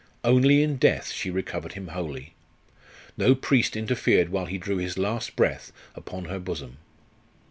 Only in death she recovered him wholly. No priest interfered while he drew his last breath upon her bosom.